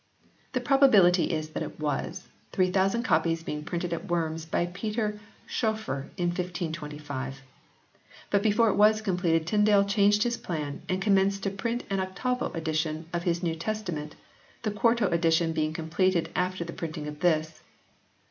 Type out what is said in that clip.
The probability is that it was, 3000 copies being printed at Worms by Peter Schoeffer in 1525. But before it was completed Tyndale changed his plan and commenced to print an octavo edition of his New Testament, the quarto edition being completed after the printing of this.